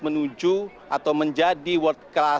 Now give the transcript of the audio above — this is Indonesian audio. menuju atau menjadi world class